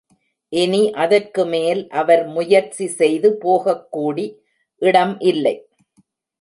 இனி அதற்கு மேல் அவர் முயற்சி செய்து போகக் கூடி இடம் இல்லை.